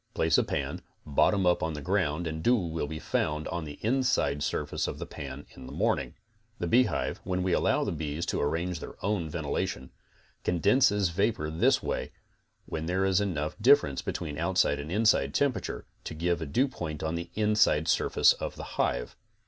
Place a pan, bottom up on the ground and dew will be found on the inside surface of the pan in the morning. The beehive, when we allow the bees to arrange their own ventilation, condenses vapor this way, when there is enough dif CONSTRUCTIVE BEEKEEPING 27 ference between outside and inside temperature to give a dew point on the inside surface of the hive.